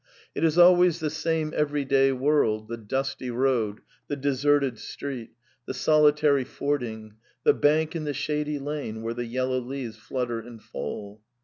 It is always the ^^N^idme everyday world, the dusty road, the deserted street, /^i nhe solitary fording, " the bank in the shady lane " where the yellow leaves flutter and fall."